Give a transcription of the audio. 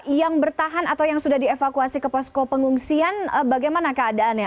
yang bertahan atau yang sudah dievakuasi ke posko pengungsian bagaimana keadaannya